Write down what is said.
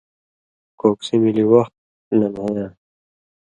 کوکسی ملی وخت لن٘گھَیں یاں